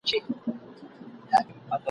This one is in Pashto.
له رویبار، له انتظاره، له پیغامه ګیه من یم ..